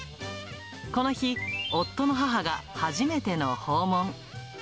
この日、夫の母が初めての訪問。